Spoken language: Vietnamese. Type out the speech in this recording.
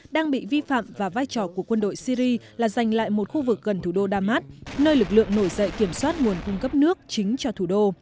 đang bị vi phạm và vai trò của quân đội syri là giành lại một khu vực gần thủ đô damas nơi lực lượng nổi dậy kiểm soát nguồn cung cấp nước chính cho thủ đô